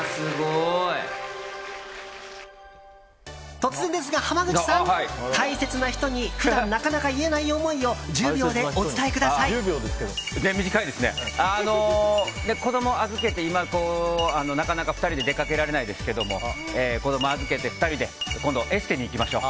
突然ですが濱口さん大切な人に普段なかなか言えない思いを１０秒でお伝えください。子供を預けてなかなか２人で出かけられないですけど子供預けて今度２人でエステに行きましょう。